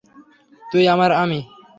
তুই আর আমি।